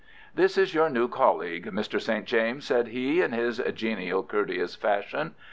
"This is your new colleague, Mr. St. James," said he, in his genial, courteous fashion.